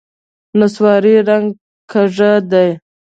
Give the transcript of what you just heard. نسواري رنګ کږ دی.